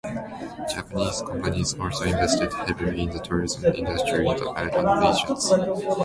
Japanese companies also invested heavily in the tourism industry in the island nations.